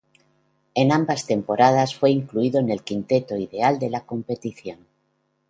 En ambas temporadas fue incluido en el quinteto ideal de la competición.